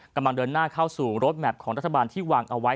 กำลังเดินหน้าเข้าสู่รถแมพของรัฐบาลที่วางเอาไว้